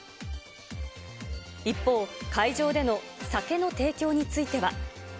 一方、会場での酒の提供については。